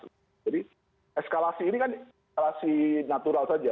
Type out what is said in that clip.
jadi eskalasi ini kan eskalasi natural saja